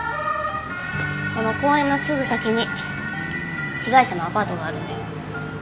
この公園のすぐ先に被害者のアパートがあるんで。